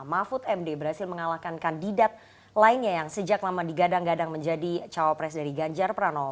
mahfud md berhasil mengalahkan kandidat lainnya yang sejak lama digadang gadang menjadi cawapres dari ganjar pranowo